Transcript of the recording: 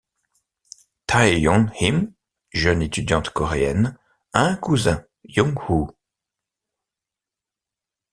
Tae-Yon Im, jeune étudiante coréenne, a un cousin, Jung-Woo.